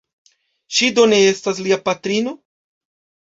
Ŝi do ne estas lia patrino?